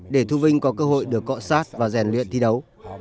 để thu vinh có cơ hội được cọ sát và rèn luyện thi đấu